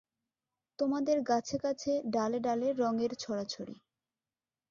তোমাদের গাছে গাছে ডালে ডালে রঙের ছড়াছড়ি।